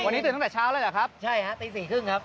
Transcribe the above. วันนี้ตื่นตั้งแต่เช้าแล้วเหรอครับใช่ฮะตีสี่ครึ่งครับ